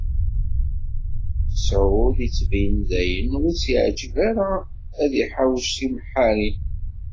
Mesεud yettbin-d dayen ur s-yeεǧib ara ad d-iḥawec timeḥḥarin.